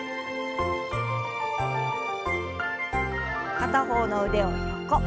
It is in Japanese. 片方の腕を横。